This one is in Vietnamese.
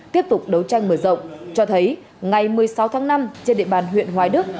tiếp tục đấu tranh mở rộng cho thấy ngày một mươi sáu tháng năm trên địa bàn huyện hoài đức